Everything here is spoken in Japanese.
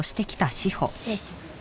失礼しますね。